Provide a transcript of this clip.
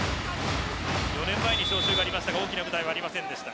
４年前に招集がありましたが大きな舞台はありませんでした。